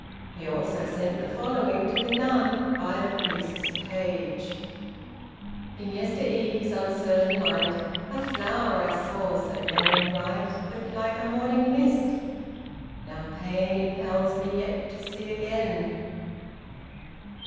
He also sent the following to the nun, by the priest's page: "In yester eve's uncertain light, A flower I saw so young and bright, But like a morning mist. Now pain Impels me yet to see again."